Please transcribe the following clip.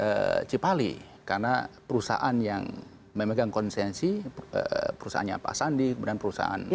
beda dengan cipali karena perusahaan yang memegang konsensi perusahaannya pak sandi kemudian perusahaan malaysia